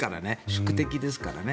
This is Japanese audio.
宿敵ですからね。